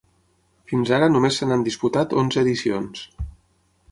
Fins ara només se n’han disputat onze edicions.